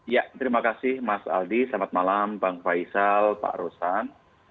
ya terima kasih mas aldi selamat malam bang faisal pak rosan